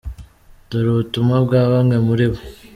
Dore ubutumwa bwa bamwe muri bo:.